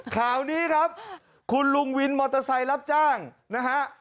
ข่าวนี้ครับคุณลุงวินมอเตอร์ไซค์รับจ้างนะฮะ